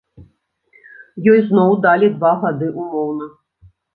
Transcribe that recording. Ёй зноў далі два гады ўмоўна.